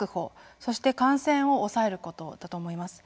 そして感染を抑えることだと思います。